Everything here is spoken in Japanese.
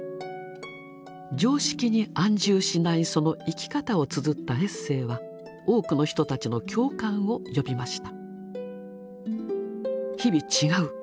常識に安住しないその生き方をつづったエッセーは多くの人たちの共感を呼びました。